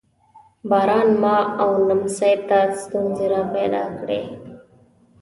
باران ما او نمسۍ ته ستونزې را پیدا کړې.